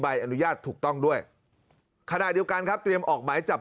อนุญาตถูกต้องด้วยขณะเดียวกันครับเตรียมออกหมายจับ